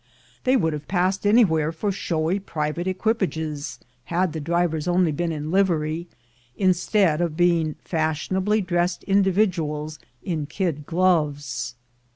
They would have passed anywhere for showy private equipages, had the drivers only been in livery, instead of being fashionably dressed individuals in kid gloves.